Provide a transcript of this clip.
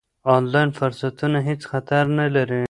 آنلاین فرصتونه هېڅ خطر نه لري.